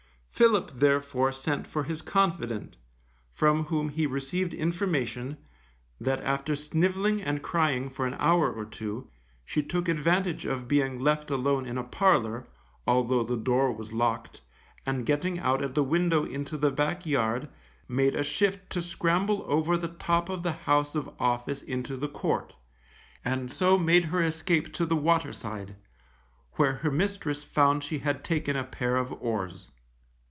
Philip therefore sent for his confidant, from whom he received information, that after snivelling and crying for a hour or two, she took advantage of being left alone in a parlour (although the door was locked), and getting out at the window into the backyard, made a shift to scramble over the top of the house of office into the court, and so made her escape to the waterside, where her mistress found she had taken a pair of oars.